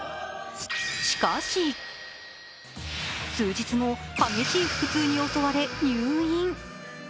しかし数日後、激しい腹痛に襲われ入院。